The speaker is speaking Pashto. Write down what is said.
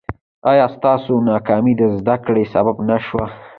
ایا ستاسو ناکامي د زده کړې سبب نه شوه؟